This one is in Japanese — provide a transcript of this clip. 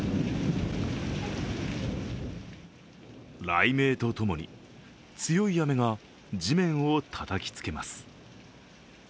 雷鳴とともに強い雨が地面をたたきつけます。